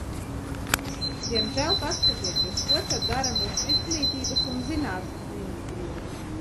Diemžēl paskatieties, ko tad dara mūsu Izglītības un zinātnes ministrija!